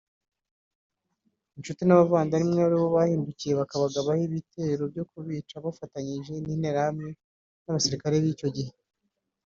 inshuti n’abavandimwe aribo bahindukiye bakabagabaho ibitero byo kubica bafatanyije n’interahamwe n’abasirikari b’icyo gihe